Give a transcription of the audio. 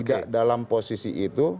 tidak dalam posisi itu